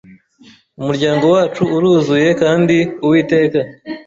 umuryango wacu uruzuye kandi uwiteka